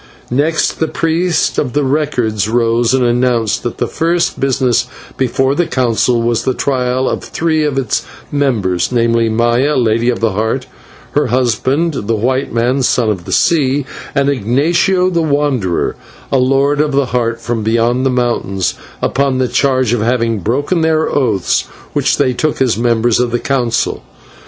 Next the Priest of the Records rose and announced that the first business before the Council was the trial of three of its members, namely, Maya, Lady of the Heart, her husband, the white man, Son of the Sea, and Ignatio, the Wanderer, a lord of the Heart from beyond the mountains, upon the charge of having broken their oaths which they took as members of the Council.